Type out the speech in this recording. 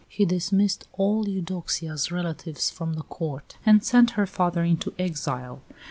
He dismissed all Eudoxia's relatives from the Court, and sent her father into exile.